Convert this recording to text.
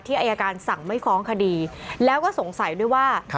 อายการสั่งไม่ฟ้องคดีแล้วก็สงสัยด้วยว่า